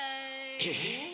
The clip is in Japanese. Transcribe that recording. えっ！